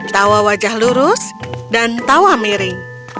tawa wajah lurus dan tawa miring